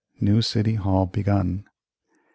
New City Hall begun 1804.